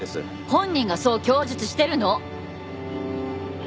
本人がそう供述してるの！